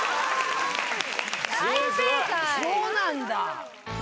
そうなんだ。